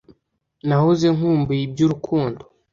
Nahoze nkumbuye iby’urukundo,